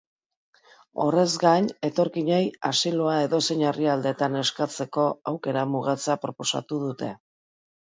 Horrez gain, etorkinei asiloa edozein herrialdetan eskatzeko aukera mugatzea proposatu dute.